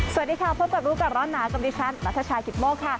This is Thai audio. สวัสดีค่ะพบกับรู้ก่อนร้อนหนาวกับดิฉันนัทชายกิตโมกค่ะ